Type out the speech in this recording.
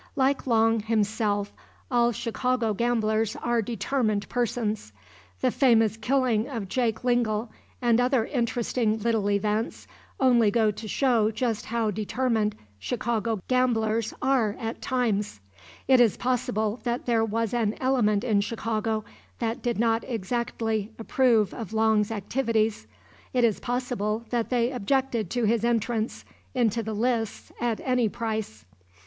Like Long, himself, all Chicago gamblers are determined persons. The famous killing of Jake Lingel and other interesting little events only go to show just how determined Chicago gamblers are at times. It is possible that there was an element in Chicago that did not exactly approve of Long's activities. It is possible that they objected to his entrance into the lists at any price.